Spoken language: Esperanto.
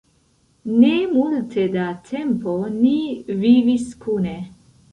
Ne multe da tempo ni vivis kune.